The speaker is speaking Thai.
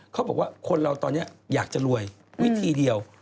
เขาบอกว่าคนเราตอนนี้อยากจะรวยวิธีเดียว